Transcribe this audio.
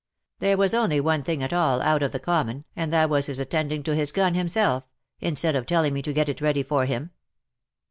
There was only one thing at all out of the common, and that was his attending to his gun himself, instead of telling me to get it ready for him.